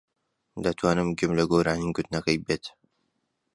دەتوانم گوێم لە گۆرانی گوتنەکەی بێت.